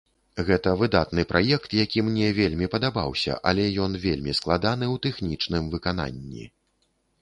Гэта выдатны праект, які мне вельмі падабаўся, але ён вельмі складаны ў тэхнічным выкананні.